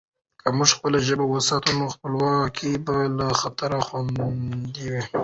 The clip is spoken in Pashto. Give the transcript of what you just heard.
که موږ خپله ژبه وساتو، نو خپلواکي به له خطره خوندي وي.